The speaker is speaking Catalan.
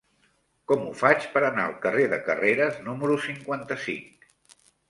Com ho faig per anar al carrer de Carreras número cinquanta-cinc?